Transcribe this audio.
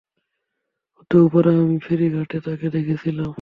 হতেও পারে আমি ফেরিঘাটে তাকে দেখেছিলাম।